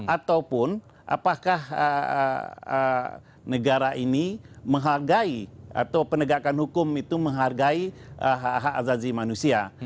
ataupun apakah negara ini menghargai atau penegakan hukum itu menghargai hak hak azazi manusia